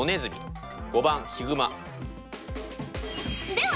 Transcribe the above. では